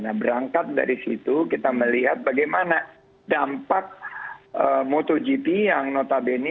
nah berangkat dari situ kita melihat bagaimana dampak motogp yang notabene